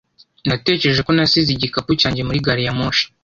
Natekereje ko nasize igikapu cyanjye muri gari ya moshi